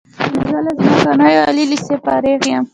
زه له څمکنیو عالی لیسې فارغ یم.